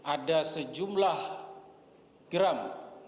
ada sejumlah gram